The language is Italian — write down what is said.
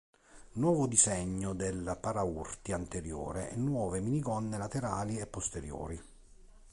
Nuovo disegno del paraurti anteriore e nuove minigonne laterali e posteriori.